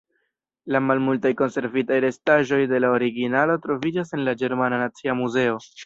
La malmultaj konservitaj restaĵoj de la originalo troviĝas en la Ĝermana Nacia Muzeo.